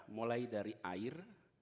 mulai dari air